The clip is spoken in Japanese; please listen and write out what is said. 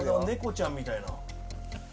猫ちゃんみたいな。